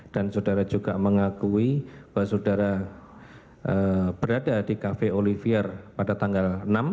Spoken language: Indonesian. dan saudara juga mengakui bahwa saudara berada di cafe olivier pada tanggal enam